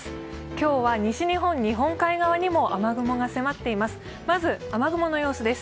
今日は西日本、日本海側にも雨雲が迫っています。